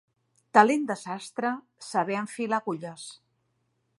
Talent de sastre, saber enfilar agulles.